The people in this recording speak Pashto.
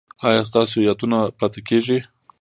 ایا ستاسو یادونه پاتې کیږي؟